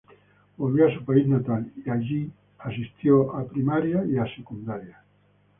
Volvió a su país natal y concurrió a primaria y secundaria allí.